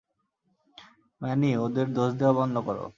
Many, ওদের দোষ দেয়া বন্ধ করো।